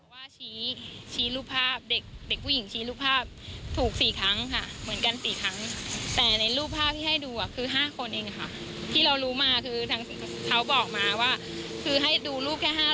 ว่าชี้ชี้รูปภาพเด็กเด็กผู้หญิงชี้รูปภาพถูก๔ครั้งค่ะเหมือนกัน๔ครั้งแต่ในรูปภาพที่ให้ดูคือ๕คนเองค่ะที่เรารู้มาคือทางเขาบอกมาว่าคือให้ดูรูปแค่๕๐